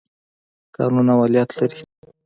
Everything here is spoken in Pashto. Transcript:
قانون اولیت لري.